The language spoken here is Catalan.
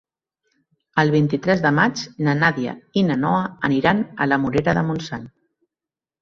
El vint-i-tres de maig na Nàdia i na Noa aniran a la Morera de Montsant.